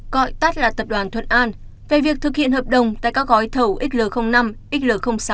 gọi tắt là tập đoàn thuận an về việc thực hiện hợp đồng tại các gói thầu xl năm xl sáu